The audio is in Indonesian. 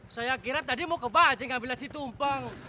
saya kira tadi mau ke bajeng ambil nasi tumpeng